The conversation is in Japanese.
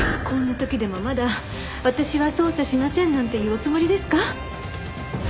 こんな時でもまだ私は捜査しませんなんて言うおつもりですか？